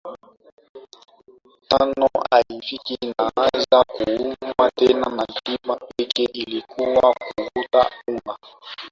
tano haifiki ninaanza kuumwa tena na tiba pekee ilikuwa kuvuta unga